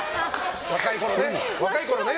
若いころね。